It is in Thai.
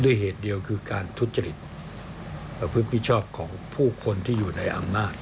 เหตุเดียวคือการทุจริตพฤติชอบของผู้คนที่อยู่ในอำนาจ